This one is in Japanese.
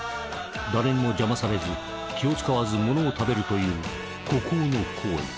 誰にも邪魔されず気を遣わずものを食べるという孤高の行為。